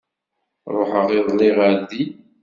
Ruḥeɣ iḍelli ɣer din.